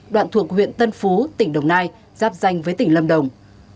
đoạn thuộc huyện tân phú tỉnh đồng nai giáp danh với tỉnh lâm đồng